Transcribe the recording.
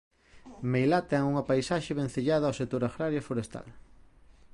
Meilá ten unha paisaxe vencellada ao sector agrario e forestal.